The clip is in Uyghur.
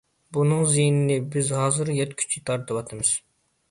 بۇنىڭ زىيىنىنى بىز ھازىر يەتكۈچە تارتىۋاتىمىز.